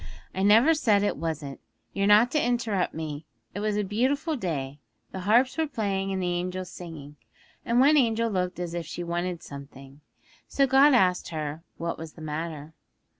'I never said it wasn't. You're not to interrupt me. It was a beautiful day, the harps were playing and the angels singing, and one angel looked as if she wanted something. So God asked her what was the matter.